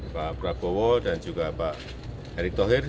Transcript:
pak prabowo dan juga pak heri tohir